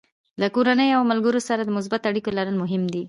له کورنۍ او ملګرو سره د مثبتو اړیکو لرل مهم دي.